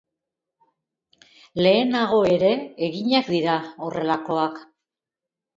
Lehenago ere eginak dira horrelakoak.